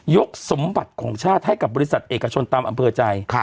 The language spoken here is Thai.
สมบัติของชาติให้กับบริษัทเอกชนตามอำเภอใจ